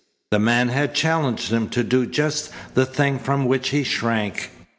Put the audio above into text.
The man had challenged him to do just the thing from which he shrank.